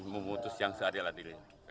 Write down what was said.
memutus yang seadil adilnya